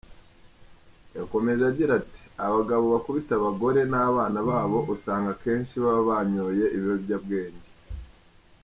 Yakomeje agira ati : "Abagabo bakubita abagore n’abana babo usanga akenshi baba banyoye ibiyobyabwenge.